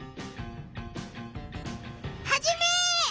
ハジメ！